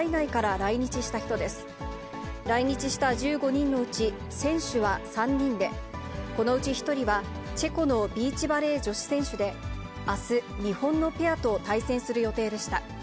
来日した１５人のうち、選手は３人で、このうち１人は、チェコのビーチバレー女子選手で、あす、日本のペアと対戦する予定でした。